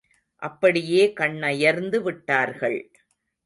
அப்படியே கண்ணயர்ந்து விட்டார்கள்.